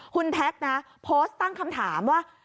คุณแท็กนะโพสต์ตั้งคำถามว่า